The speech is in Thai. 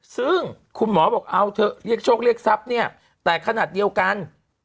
ซึ่งคุณหมอบอกเอาเถอะเรียกโชคเรียกทรัพย์เนี่ยแต่ขนาดเดียวกัน